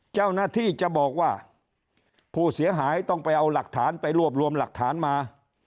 เจ้าหน้าที่จะบอกว่าผู้เสียหายต้องไปเอาหลักฐานไปรวบรวมหลักฐานมา